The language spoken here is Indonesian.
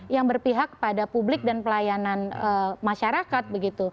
yang berpihak pada publik dan pelayanan masyarakat begitu